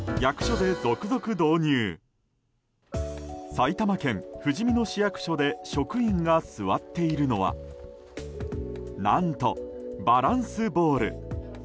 埼玉県ふじみ野市役所で職員が座っているのは何とバランスボール。